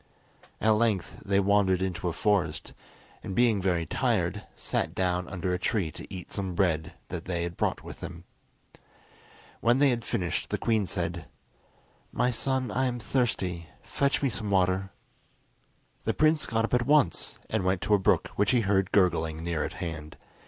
At length they wandered into a forest, and being very tired, sat down under a tree to eat some bread that they had brought with them. When they had finished the queen said: "My son, I am thirsty; fetch me some water." The prince got up at once and went to a brook which he heard gurgling near at hand.